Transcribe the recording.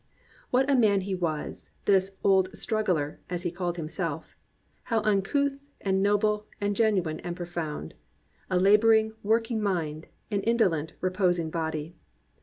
What a man he was, — this "old straggler," as he called himself, — how uncouth and noble and genuine and profound, — "a labouring, working mind; an indolent, reposing body"